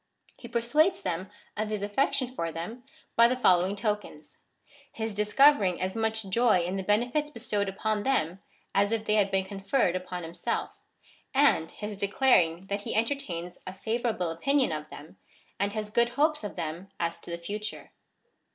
^ He persuades them of his affection for them by the following tokens — his discovering as much joy in the benefits bestowed upon them, as if they had been conferred upon himself; and his declaring that he entertains a favour able opinion of them, and has good hopes of them as to the future.